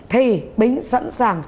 thì bính sẵn sàng